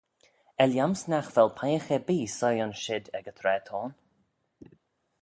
Er lhiams nagh vel peiagh erbee soie ayns shid ec y traa t'ayn.